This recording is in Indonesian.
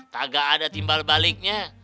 tak ada timbal baliknya